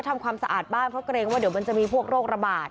ทำความสะอาดบ้านเพราะเกรงว่าเดี๋ยวมันจะมีพวกโรคระบาด